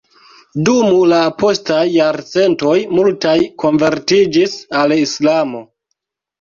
Dum la postaj jarcentoj multaj konvertiĝis al Islamo.